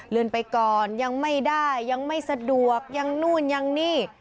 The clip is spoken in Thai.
เลื่อนไปก่อนยังไม่ได้ยังไม่สะดวกยังนู่นยังนี่